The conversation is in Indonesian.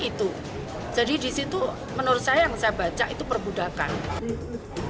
itu jadi disitu menurut saya yang saya baca itu perbudakan